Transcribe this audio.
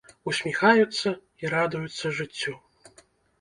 Усміхаюцца і радуюцца жыццю.